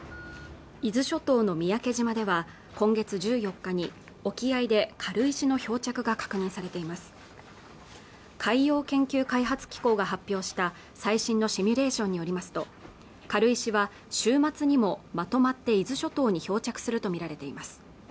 伊豆諸島の三宅島では今月１４日に沖合で軽石の漂着が確認されています海洋研究開発機構が発表した最新のシミュレーションによりますと軽石は週末にもまとまって伊豆諸島に漂着すると見られています